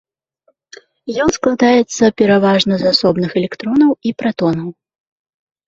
Ён складаецца пераважна з асобных электронаў і пратонаў.